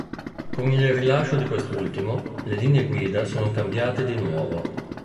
Con il rilascio di quest'ultimo, le linee guida sono cambiate di nuovo.